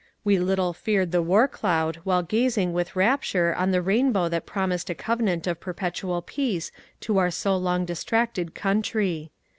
We little feared the war cloud while gazing with rapture on the rainbow that promised a covenant of perpetual peace to our so long distracted country.